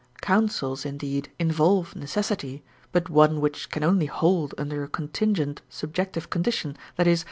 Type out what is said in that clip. Counsels, indeed, involve necessity, but one which can only hold under a contingent subjective condition, viz.